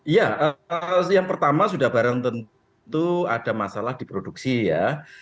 ya yang pertama sudah barang tentu ada masalah di produksi ya